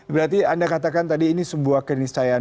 berarti anda katakan tadi ini sebuah keniscayaan